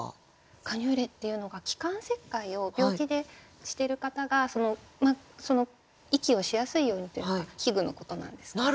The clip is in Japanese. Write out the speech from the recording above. カニューレっていうのが気管切開を病気でしてる方が息をしやすいようにというか器具のことなんですけれど。